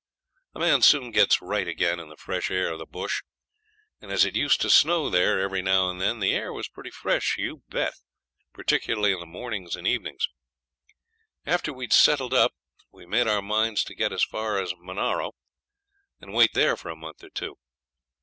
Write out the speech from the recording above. A man soon gets right again in the fresh air of the bush; and as it used to snow there every now and then the air was pretty fresh, you bet, particularly in the mornings and evenings. After we'd settled up we made up our minds to get as far as Monaro, and wait there for a month or two.